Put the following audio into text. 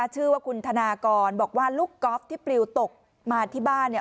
ชื่อว่าคุณธนากรบอกว่าลูกกอล์ฟที่ปลิวตกมาที่บ้านเนี่ย